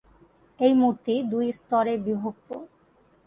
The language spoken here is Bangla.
এই মূর্তি দুই স্তরে বিভক্ত।